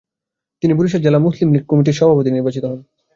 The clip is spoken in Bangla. তিনি বরিশাল জেলা মুসলিম লীগ কমিটির সভাপতি নির্বাচিত হন।